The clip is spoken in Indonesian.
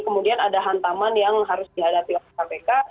kemudian ada hantaman yang harus dihadapi oleh kpk